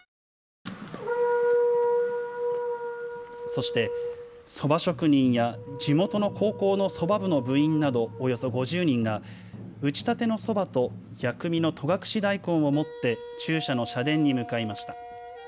そして、そば職人や地元の高校のそば部の部員などおよそ５０人が打ちたてのそばと薬味の戸隠大根を持って中社の社殿に向かいました。